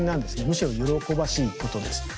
むしろ喜ばしいことです。